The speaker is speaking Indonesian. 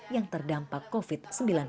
yang terdampak covid sembilan belas